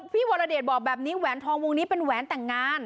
พี่วรเดชบอกแบบนี้แหวนทองวงนี้เป็นแหวนแต่งงาน